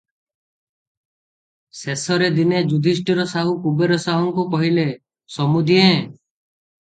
ଶେଷରେ ଦିନେ ଯୁଧିଷ୍ଠିର ସାହୁ କୁବେର ସାହୁଙ୍କୁ କହିଲେ, "ସମୁଧିଏ!